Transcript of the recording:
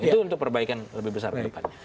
itu untuk perbaikan lebih besar ke depannya